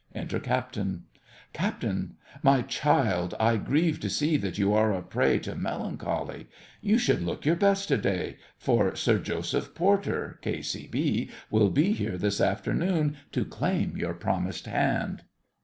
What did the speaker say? Enter CAPTAIN CAPT. My child, I grieve to see that you are a prey to melancholy. You should look your best to day, for Sir Joseph Porter, K.C.B., will be here this afternoon to claim your promised hand.